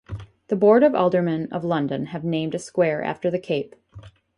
The board of aldermen of London have named a square after the cape.